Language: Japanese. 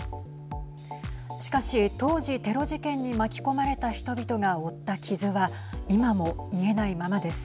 しかし当時、テロ事件に巻き込まれた人々が負った傷は今も癒えないままです。